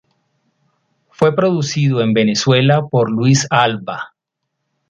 Fue producido en Venezuela por Luis Alva.